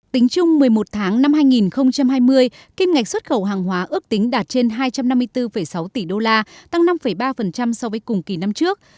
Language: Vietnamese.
tính chung một mươi một tháng năm hai nghìn hai mươi kim ngạch xuất khẩu hàng hóa ước tính đạt trên hai trăm năm mươi bốn sáu tỷ đô la tăng năm ba so với cùng kỳ năm trước